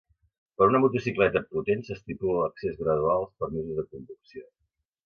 Per una motocicleta potent s'estipula l'accés gradual als permisos de conducció.